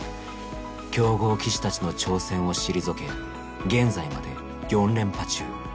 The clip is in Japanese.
強豪棋士たちの挑戦を退け現在まで４連覇中。